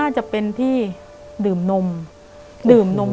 แต่ขอให้เรียนจบปริญญาตรีก่อน